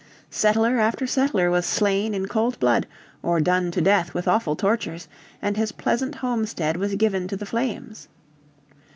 Settler after settler was slain in cold blood, or done to death with awful tortures, and his pleasant homestead was given to the flames.